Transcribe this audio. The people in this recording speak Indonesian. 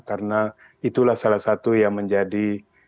karena itulah salah satu yang menjadi